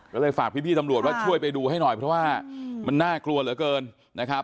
ก็เลยฝากพี่ตำรวจว่าช่วยไปดูให้หน่อยเพราะว่ามันน่ากลัวเหลือเกินนะครับ